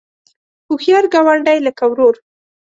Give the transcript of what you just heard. هوښیار ګاونډی لکه ورور